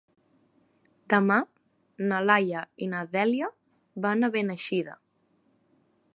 Demà na Laia i na Dèlia van a Beneixida.